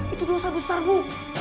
itu dosa besar bu